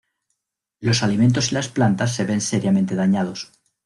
Los alimentos y las plantas se ven seriamente dañados.